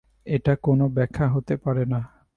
এটা কোনো ব্যাখ্যা হতে পারে না।